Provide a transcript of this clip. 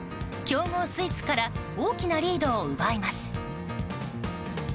強豪スイスから大きなリードを奪います。